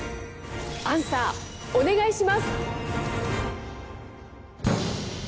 アンサーお願いします！